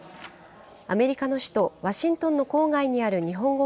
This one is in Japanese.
アメリカの首都ワシントンの郊外にある日本語